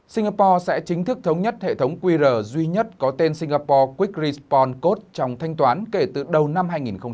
singapore sẽ chính thức thống nhất hệ thống qr duy nhất có tên singapore quick response code trong thanh toán kể từ đầu năm hai nghìn một mươi chín